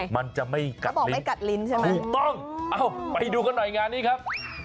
มันจะไม่กัดลิ้นถูกต้องเอ้าไปดูกันหน่อยงานนี้ครับ